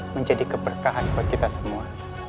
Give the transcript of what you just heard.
menjadi keberkahan buat kita semua